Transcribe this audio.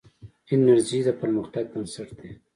انرژي د پرمختګ بنسټ دی.